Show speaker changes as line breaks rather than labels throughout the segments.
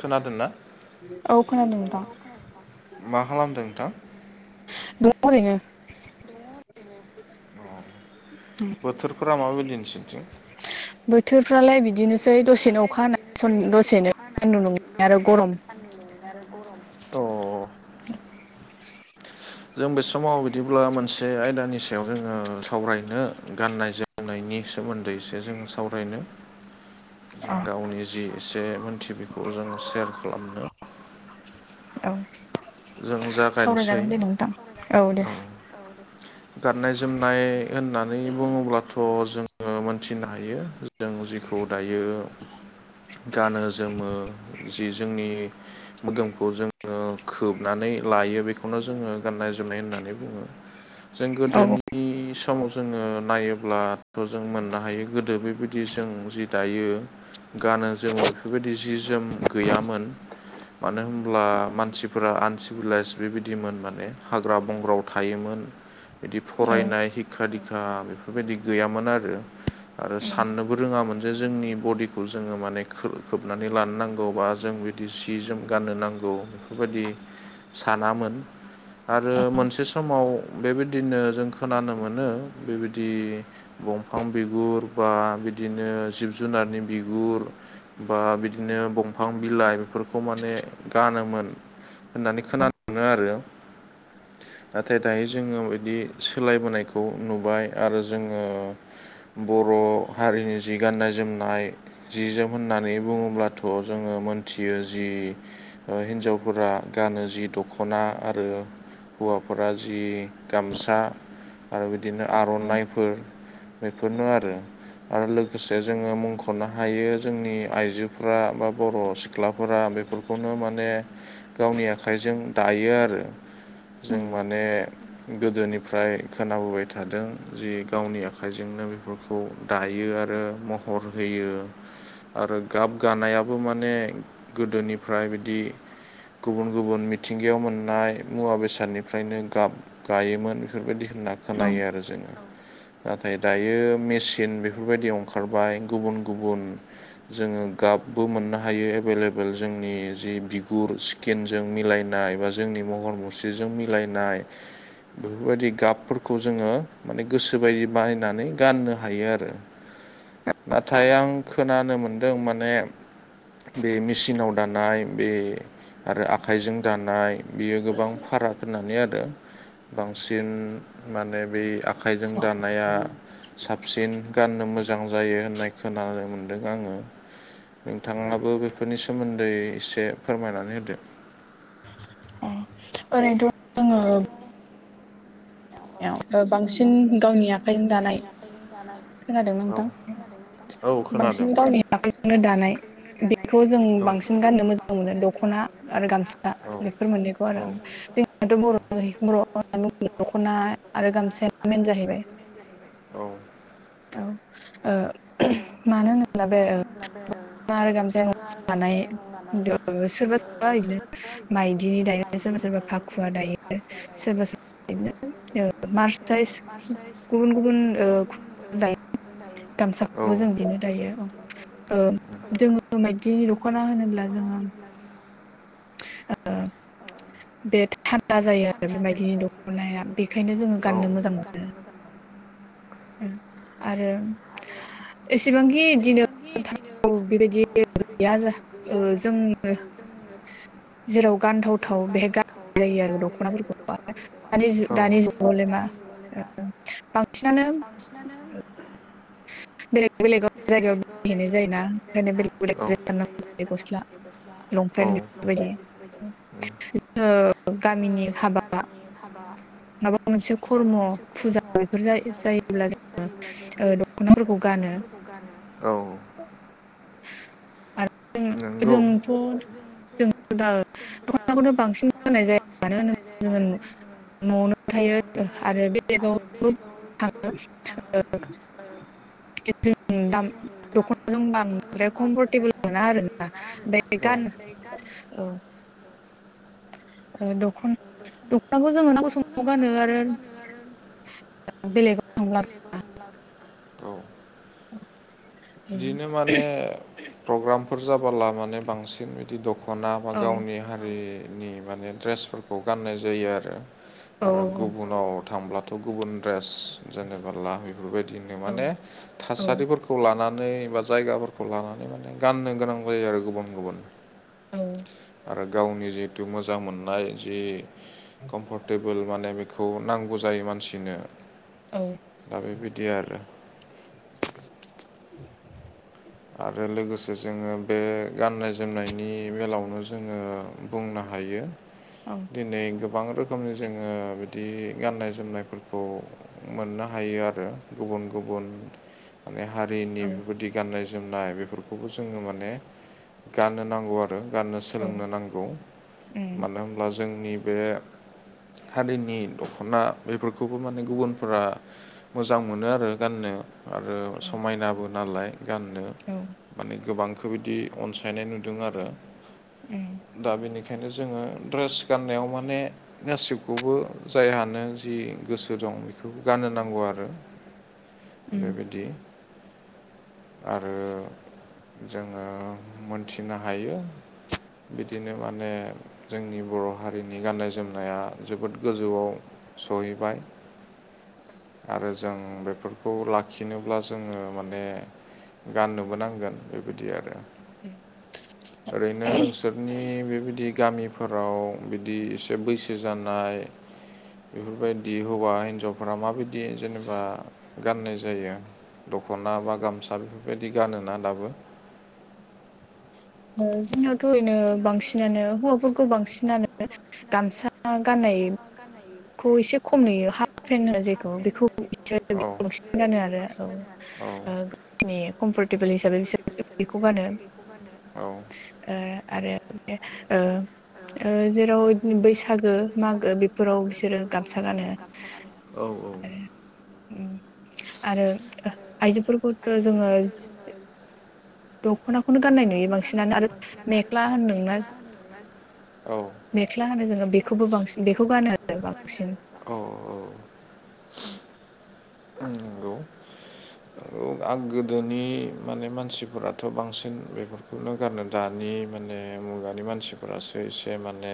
खोनादोंनाा
औ खोनादों नोंथां।
मा खालामदों नोंथां
द ओरैनो
बोथोरफोरा माबायदिसनथिं
बोथोरफ्रालाय बिदि बिदिनोसै दसेनो अखा हानाय दसेनो सान्दुं दुंनाय आरो गरम
अ
द
जों बे समाव बिदिब्ला मोनसे आयदानि सायाव जोङो सावरायनो गाननाय जायो फोरोंनायनि सोमोन्दैसो जों सावरायनो
अ
जों गावनि जि एसे मोनथियो बेखौ जों सेशयार खालामनो
औ
जों जागायनोसै
सावरायजागोन दे नोंथां। दे।
औ गाननाय जोमनाय होननानै बुङोब्लाथ' जोङो मोनथिनो हायो जों जखौ दायो गानो जोमो जि जोंनि मोदोमखौ जों नानै लायो बेखौनो जोङो गाननाय जोमनाय होननानै बुङो जों
औ
गोदोनि बि समाव जोङो नायोब्लाथ' जों मोननो हायो गोदो बेबायदि जों जि दायो गानो जोमो बेफोरबायदि जि जोम गैयामोन मानो होनब्ला मानसिफोरा आ सिभिलाइस बेबायदिमोन माने हाग्रा बंग्रायाव थायोमोन बिदि
औ
फरायनाय हिक्खा दिक्खा बेफोरबायदि गैयामोन आरो आरो साननोबो रोङामोन जे जोंनि बडिखौ जोङो माने खोबनानै लानो नांगौ बा जों बिदि सि जोम गाननो नांगौ बेफोरबायदि सानामोन आरो मोनसे समाव बेबायदिनो जों खोनानो मोनो बेबायदि बंफां बिगुर बा बिदिनो जिब जुनारनि बिगुर बा बिदिनो बंफां बिलाइ इफोरखौ माने गानोमोन होननानै खोनानो मोनो आरो। नाथाय दायो जोङो बिदि सोलायबोनायखौ नुबाय आरो जोङो बर' हारिनि जि गाननाय जोमनाय जि जोम होननानै बुङोब्लाथ' जोङो मोनथियो जि ओ हिनजावफोरा गानो जि दख'ना आरो हौवाफोरा जि गामसा आरो बिदिनो आर'नाइफोर बेफोरनो आरो। आरो लोगोसे जोङो मुंख'नो हायो जोंनि आइजोफोरा बा बर' सिख्लाफोरा बेफोर खौनो माने गावनि आखाइजों दायो आरो जों
उम
माने गोदोनिफ्राय खोनाबोबाय थादों जि गावनि आखाइजोंनो बेफोर खौ दायो आरो महर होयो आरो गाब गानायाबो माने गोदोनिफ्राय बिदि गुबुन गुबुन मिथिंगायाव मोननाय मुवा बेसादनिफ्रायनो गाब गायोमोन बेफोरबायदि होनना
औ
खोनायो आरो जोङो। नाथाय दायो मेचिन बेफोरबायदि ओंखारबाय गुबुन गुबुन जोङो गाबबो मोननो हायो एभेलेबेल जोंनि जि बिगुर केनजों मिलायनाय बा जोंनि महर मुस्रिजों मिलायनाय बेफोरबायदि गाबफोरखौ जोङो माने गोसोबायदि बायनानै गाननो हायो आरो। नाथाय आं खोनानो मोनदों माने बे मेसिनाव दानाय बे आरो आखाइजों दानाय बियो गोबां फाराग होननानै आरो। बांसिन माने बे आखाइजों दानाया साबसिन गाननो मोजां जायो होननाय खोनानो मोनदों आङो। नोंथाङाबो बेफोरनि सोमोन्दै एसे फोरमायनानै
औ
[unintelligible]
ओरैनोथ' आङो याव ओ बांसिन गावनि आखाइजों दानाय खोनादों ना
औ
नोंथां
औ
बांसिन
खोनादों
गावनि आखाइजोंनो दानाय बिखौ जों
औ
बांसिन गाननो मोजां मोनो दख'ना आरो गामसा बेफोर मोननैखौ आरो। जोंनियाथ' बर' [unintelligible] बर' दख'ना आरो गामसा
आरो गामसायाबोे मेन जाहैबाय औ।
औ ओ मानो होनोब्ला बे ओ
[unintelligible] गोबां इदिनो
सोरबा सोरबा बिदिनो माइदिनि दायो सोरबा
मायदिनि दायो
फाखुवा
सोरबा सोरबा फाखुवा दायो सोरबा सोर
ओ मार्सथाइस गुबुन गुबुन ओ दायो गामसाखौबो जों दिनो दायो अ। ओ जोङो मायदिनि दख'ना होनोब्ला जोङो ओ बे थान्दा जायो आरो बे मायदिनि दख'नाया बेखायनो जोङो गाननो मोजां मोनो। उम आरो
आरो [unintelligible]
एसेबांखि बिदिनो
इदिनो [unintelligible] बेबायदि गैया आरो।
जोंनो जेराव गानथावथाव बेहाय गान [inaudible] जायो आरो दख'नाफोरखौ [inaudible] दानि जु दानि जुगावलाय मा
ओ
बांसिनानो
बांसिनानो
बेलेग बेलेगाव जायगायाव बेरायहैनाय जायोना ओंखायनो बेलेग बेलेक ड्रेस गाननांगौ जायो गस्ला।
गस्ला औ
लंपेन्ट बेफोरबायदि
लंपेन्ट बेफोरबायदिनो उम जोङो
गामिनि हाबा
गामिनि [unintelligible] हाबा
मोनसे
माबा
खर्म
मोनसे
फुजा
खर्म
बेफोर
फुजा इफोर
जायोब्ला
जायो जायोब्ला जोङो
दख'नाफोरखौ
ओ
गानो
दखनाफोर गानो औ
आरो जोंथ' जों थ' दा दख'नाखौनो बांसिन गाननाय जायो मानो होनोब्ला जोङो न'आवनो थायो आरो बेलेगावबो थाङो ओ जों दा दख'ना जों बांद्राय कमफरटेबोल मोना आरोना
मोना
बे
आरोना
गान
ओमफाय गान
औ ओ दखन-दख'नाखौ जोङो नांगौ समाव गानो आरो ओ बेलेगाव थांब्ला
बेलेगाव थांब्ला बो औ
[inaudible]
बिदिनो माने प्रग्रामफोर जाबोला माने बांसिन बिदि दख'ना बा
औ
गावनि हारिनि माने ड्रेसफोरखौ गाननाय जायो आरो
औ
आरो गुबुनाव थांब्लाथ' गुबुन द्रेस जेनेबा लाहै बेफोरबायदिनो
औ
माने
औ
थासारिफोरखौ खौ लानानै बा जायगाफोरखौ लानानै माने गाननो गोनां जायो आरो गुबुन गुबुन
औ
आरो गावनि जितु मोजां मोननाय जि कमफरटेबोल माने बे खौ नांगौ जायो मानसिनो
औ
दा बेबायदि आरो
[inaudible]
आरो लोगोसे जोङो बे गाननाय जोमनायनि बेलायावनो ज जोङो बुंनो हायो
औ
दिनै गोब बां रोखोमनि जोङो बिदि गाननाय जोमनायफोरखौ मोननो हायो आरो गुबुन गुबुन माने हारिनि
औ
बेफोरबायदि गाननाय जोमनाय बेफोरखौबो जोङो माने गाननो नांगौ आरो गाननो
औ
सोलोंनो नांगौ
उम
मानो होनब्ला जोंनि बे हारिनि दख'ना बेफोरखौबो माने गुबुनफोरा मोजां मोनो आरो गाननो आरो समायनाबो नालाय गाननो
औ
माने गोबांखो बिदि अनसायनाय नुदों आरो दा बेनिखायनो जोङो ड्रेस गाननायाव माने गासिबखौबो जायहानो जि गोसो दं बेखौबो गाननो नांगौ आरो
उम
बेबायदि आरो जोङो मोनथिनो हायो बिदिनो माने जोंनि बर' हारिनि गाननाय जोमनाया जोबोद गोजौआव सहैबाय आरो जों बेफोरखौ लाखिनोब्ला जोङो माने गाननोबो नांगोन बेबायदि आरो
उम
ओरैनो नोंसोरनि बेबायदि गामि फोराव बिदि एसे बैसो जानाय बेफोरबायदि हौवा हिनजावफोरा माबायदि जेनेबा गाननाय जायो? दख'ना बा गामसा बेफोरबायदि गानोना दाबो?
ओ जोंनियावथ' ओरैनो बांसिनानो हौवाफोरखौ बांसिनानो [unintelligible] गामसा गाननाय खौ एसे खम नुयो हाफ फेन्ट जेखौ बेखौ बिसोर बांसिन गानो आरो औ गावनि कमफर्टेबोल हिसाबै बिसो
साबै बिसोरो बेखौ गानो आरो औ
ओ आरो बे ओ ओ जेराव इदिनो बैसागो मागो बेफोराव बिसोरो गामसा गानो
औ औ।
आरो आरो आइजोफोरखौथ' जोङो दख'नाखौनो गाननाय नुयो। बांसिनानो आरो
[unintelligible]
मेख्ला
आरो
होनदोंना
मेख्ला होना
मेख्ला होनो जोङो बेखौबो बांसिन बेखौ गानो आरो बांसिन।
औ औ।
औ।
उ नंगौ। गोदोनि माने मानसिफोराथ' बांसिन बेफोरखौ बेखौनो गारनो दानि माने मुगानि मानसिफोरासो एसे माने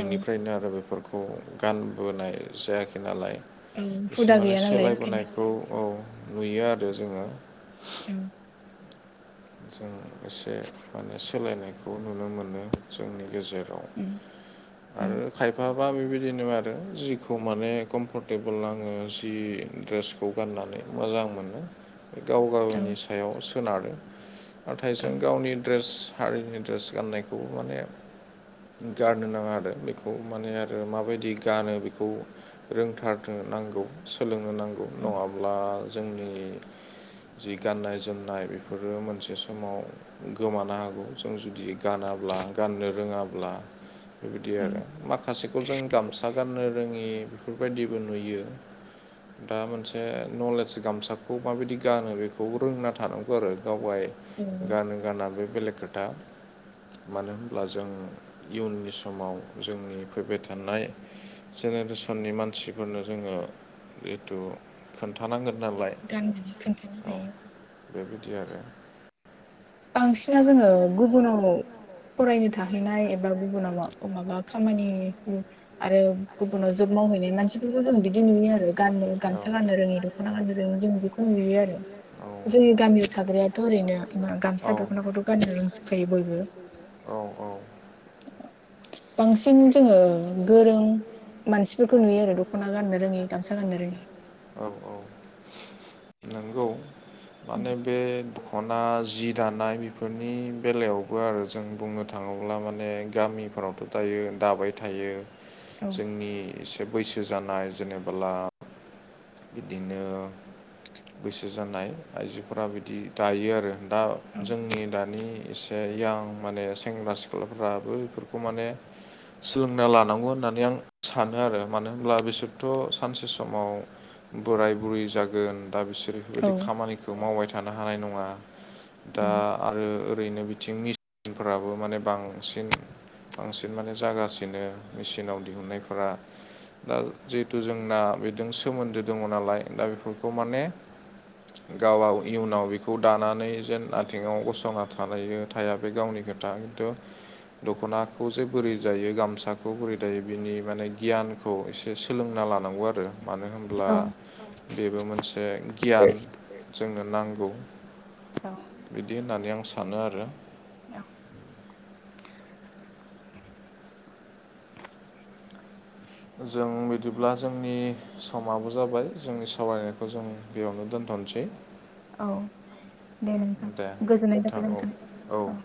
औ
आरो बेफोरखौ गानबोनाय जायाखै नालाय।
औ
एसे
हुदा
माने
गैया नालाय ओंखायनो
सोलायबोनायखौ औ नुयो आरो जोङो।
औ।
जों एसे माने सोलायनायखौ नुनो मोनो जोंनि गेजेराव
उम उम
आरो खायफा बा बेबायदिनो आरो जिखौ माने कमफरटेबोल नङो जि द्रेस खौ गाननानै मोजां मोनो बे गाव
औ
गावनि सायाव सोनारो। नाथाय
औ
जों गावनि ड्रेस हारिनि ड्रेस गाननायखौबो माने गारनो नाङा आरो बेखौ माने आरो माबायदि गानो बेखौ रोंथारनो नांगौ। सोलोंनो नांगौ नङाब्ला जोंनि जि गाननाय जोमनाय बेफोर बेफोरो मोनसे समाव गोमानो हागौ। जों जुदि गानाब्ला गाननो रोङाब्ला। बेबायदि आरो माखासेखौ जों गामसा गाननो रोङि बेफोरबायदिबो नुयो। दा मोनसे नलेज गामसाखौ माबायदि गानो बेखौ रोंना थानांग आरो गावगाय
[unintelligible]
गानो गाना बे बेलेग खोथा मानो होनब्ला जों इयुननि समाव जोंनि फैबाय थानाय जेनेरेसननि मानसिफोरनो जोङो जिहेथु खोन्थानांगोन नालाय
गाननानै खोन्थानो
औ
हायो
बेबायदि आरो।
बांसिना जोङो गुबुनाव फरायनो थाहैनाय एबा गुबुनाव माबा खामानिखौ आरो गुबुनाव जब मावहैनाय मानसि बेखौ जों बिदि
जों
नुयो आरो गाननो गामसा गाननो रोङि दख'ना गाननो रोङि जों बेखौ नुयो आरो।
आरो
जोंनि गामियाव थाग्रायाथ' ओरैनो गामसा दख'नाखौथ' गाननो रोंजोबखायो बयबो।
औ औ। औ
बांसिन जोङो गोरों मानसिफोरखौ नुयो आरो दख'ना गाननो रोङि गामसा गाननो रोङि।
औ औ नंगौ माने बे अना जि दानाय बेफोरनि बेलायावबो आरो जों बुंनो थाङोब्ला माने गामिफोरावथ' दायो दाबाय थायो
औ
जोंनि एसे बैसो जानाय जेनेबोला बिदिनो बैसो जानाय आइजोफोरा बिदि दायो आरो दा जोंनि दानिसे ओ [unintelligible] माने सेंग्रा सिख्लाफ्राबो इफोरखौ माने सोलोंना लानांगौ होननानै आं सानो आरो मानो होनब्ला बिसोरथ' सानसे समाव बोराय बुरै जागोन दा बिसोर
औ
बेफोरबायदि खामानिखौ मावबाय थानो हानाय नङा। दा आरो ओरैनो बिथिं मिसिनफोराबो माने बांसिन बांसिन माने जागासिनो मेसिनाव दिहुननायफोरा। दा जिहेतु जोंना बेदों सोमोन्दो दङ नालाय दा बेफोरखौ माने गाव वाव इयुनाव बेखौ दानानै जेन आथिङाव गसंना थालायो थाया बे गावनि खोथा खिन्थु दख'नाखौ जे बोरै जायो गामसाखौ बोरै दायो बिनि माने गियान खौ एसे सोलोंना लानांगौ आरो मानो होम ब्ला
औ
बेबो मोनसे गियान जोंनो नांगौ। बिदि होननानै आं सानो आरो।
औ।
जों बिदिब्ला जोंनि समाबो जाबाय जोंनि सावरायनायखौ जों बेयावनो दोनथ'नोसै।
औ दे नोंथां गोजोननाय थाबाय नोंथां औ।